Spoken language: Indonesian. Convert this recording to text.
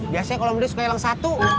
biasanya kalo mending suka hilang satu